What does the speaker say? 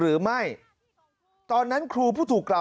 เมื่อกี้มันร้องพักเดียวเลย